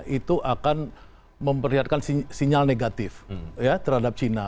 itu akan memperlihatkan sinyal negatif ya terhadap china